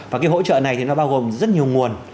và cái hỗ trợ này thì nó bao gồm rất nhiều nguồn